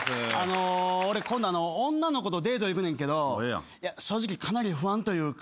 俺今度女の子とデート行くねんけど正直かなり不安というか。